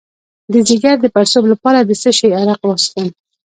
د ځیګر د پړسوب لپاره د څه شي عرق وڅښم؟